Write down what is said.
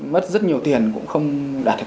mất rất nhiều tiền cũng không đạt được